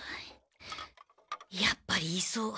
やっぱり言いそう。